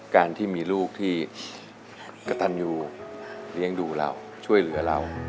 การที่มีลูกที่กระตันอยู่เลี้ยงดูเราช่วยเหลือเรา